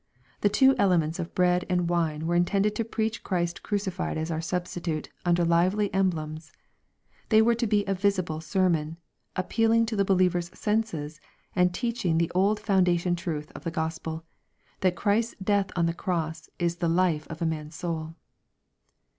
The two elements of bread and wine were intended to preach Christ crucified as our substitute under lively emblems. They were to be a visible sermon, appealing to the be liever's senses, and teaching the old foundation truth of the G ospel, that Christ's death on the cross is the life of man's soul.